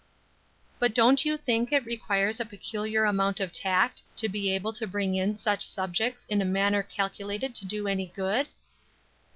"But don't you think it requires a peculiar sort of tact to be able to bring in such subjects in a manner calculated to do any good?"